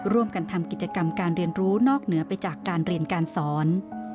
ร่วมกันทำกิจกรรมการเรียนรู้นอกเหนือไปจากการเรียนการสอน